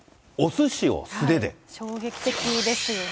衝撃的ですよね。